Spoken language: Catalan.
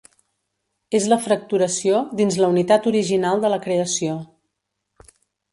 És la fracturació dins la unitat original de la creació.